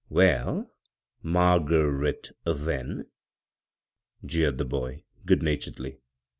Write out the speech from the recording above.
" Well, Mar ger ret, then," jeered the boy, good naturedly.